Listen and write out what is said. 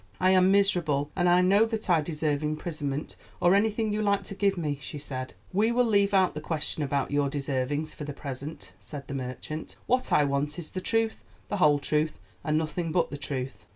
"I am miserable, and I know that I deserve imprisonment, or anything you like to give me," she said. "We will leave out the question about your deservings for the present," said the merchant. "What I want is the truth, the whole truth, and nothing but the truth."